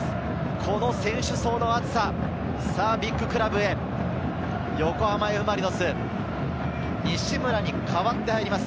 この選手層の厚さ、ビッグクラブへ、横浜Ｆ・マリノス、西村に代わって入ります。